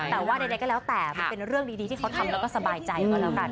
แต่ว่าใดก็แล้วแต่มันเป็นเรื่องดีที่เขาทำแล้วก็สบายใจก็แล้วกัน